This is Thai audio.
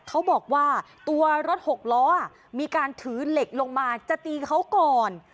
เขาบอกว่าตัวรถหกล้อมีการถือเหล็กลงมาจะตีเขาก่อน